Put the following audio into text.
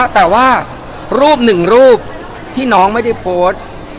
แต่ว่ารูปหนึ่งรูปที่น้องไม่ได้โพสต์